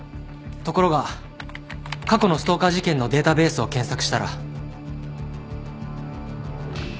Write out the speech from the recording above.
ところが過去のストーカー事件のデータベースを検索したら。